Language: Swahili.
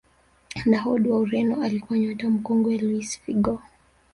nahod wa ureno alikuwa nyota mkongwe luis Figo